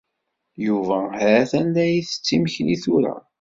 Yuba ha-t-an la isett imekli tura.